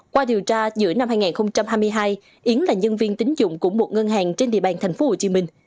qua điều tra giữa năm hai nghìn hai mươi hai yến là nhân viên tính dụng của một ngân hàng trên địa bàn tp hcm